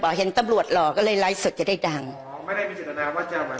พอเห็นตำรวจหล่อก็เลยไลฟ์สดจะได้ดังอ๋อไม่ได้มีเจตนาว่าจะมา